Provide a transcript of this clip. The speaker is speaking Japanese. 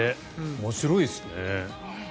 面白いですね。